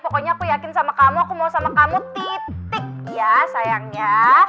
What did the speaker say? pokoknya aku yakin sama kamu aku mau sama kamu titik ya sayangnya